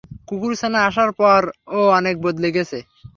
কুকুরছানা আসার পর ও অনেক বদলে গেছে।